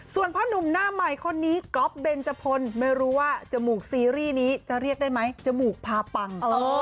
ส่วนพ่อนุ่มหน้าใหม่คนนี้ก๊อฟเบนจพลไม่รู้ว่าจมูกซีรีส์นี้จะเรียกได้ไหมจมูกพาปัง